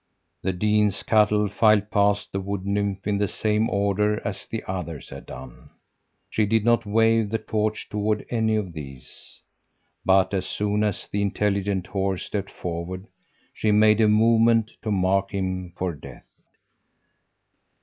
The dean's cattle filed past the Wood nymph in the same order as the others had done. She did not wave the torch toward any of these, but as soon as the intelligent horse stepped forward, she made a movement to mark him for death.